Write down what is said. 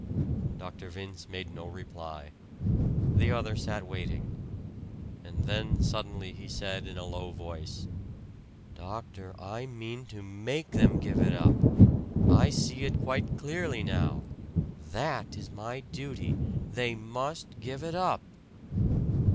Dr. Vince made no reply. The other sat waiting. And then suddenly he said in a low voice, "Doctor, I mean to MAKE them give it up. I see it quite clearly now that is my duty. They must give it up!"